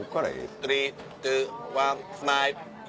スリー・ツー・ワンスマイル。